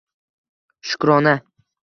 Shukrona